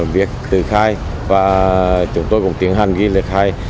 việc từ khai và chúng tôi cũng tiến hành ghi lịch khai